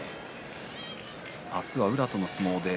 明日は宇良との相撲です。